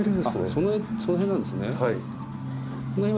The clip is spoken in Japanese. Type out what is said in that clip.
その辺なんですね